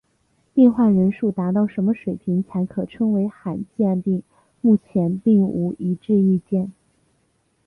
患病人数达什么水平才可称为罕见病目前并无一致意见。